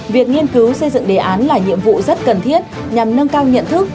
việc nghiên cứu xây dựng đề án là nhiệm vụ rất cần thiết nhằm nâng cao nhận thức